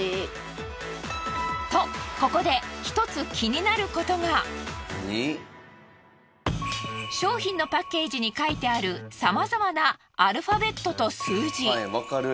とここで１つ商品のパッケージに書いてあるさまざまなアルファベットと数字。